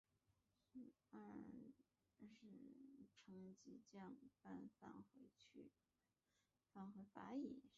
惟一季后即以尾二成绩降班返回法乙。